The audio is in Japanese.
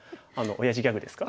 おやじギャグですかね。